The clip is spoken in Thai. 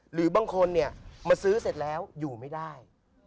หรือบางคนเนี่ยมาซื้อเสร็จแล้วอยู่ไม่ได้